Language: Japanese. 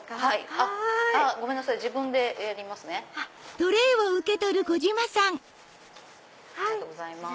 ありがとうございます。